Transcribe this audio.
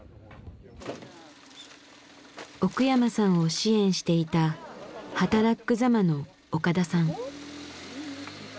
奥山さんを支援していたはたらっく・ざまの岡田さん。